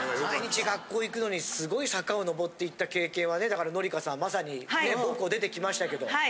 毎日学校行くのにすごい坂をのぼっていった経験はねだから紀香さんまさに母校出てきましたけど。